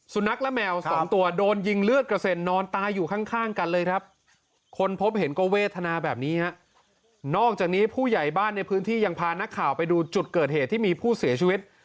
สุนัขและแมวสองตัวโดนยิงเลือดกระเซ็นนอนตายอยู่ข้างกันเลยครับคนพบเห็นก็เวทนาแบบนี้ฮะนอกจากนี้ผู้ใหญ่บ้านในพื้นที่ยังพานักข่าวไปดูจุดเกิดเหตุที่มีผู้เสียชีวิต